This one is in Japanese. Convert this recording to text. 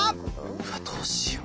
うわどうしよう。